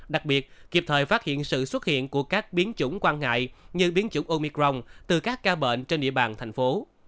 đặc biệt kịp thời phát hiện sự xuất hiện của các biến chủng quan ngại như biến chủng omicron từ các ca bệnh trên địa bàn thành phố